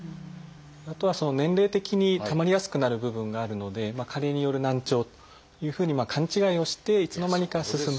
あとはその年齢的にたまりやすくなる部分があるので加齢による難聴というふうに勘違いをしていつの間にか進む。